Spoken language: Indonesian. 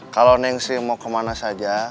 kalau neng sri mau kemana saja